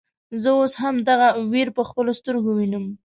زه اوس هم دغه وير په خپلو سترګو وينم.